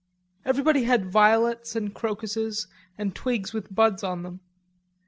Everybody had violets and crocuses and twigs with buds on them.